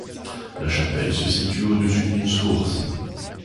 La chapelle se situe au-dessus d'une source.